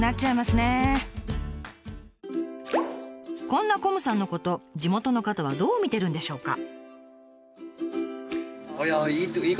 こんなこむさんのこと地元の方はどう見てるんでしょうか？